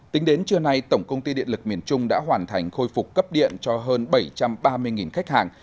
tính đến trưa nay tổng công ty điện lực miền trung đã hoàn thành khôi phục cấp điện cho hơn bảy trăm ba mươi khách hàng